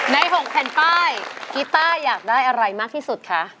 ๖แผ่นป้ายกีต้าอยากได้อะไรมากที่สุดคะ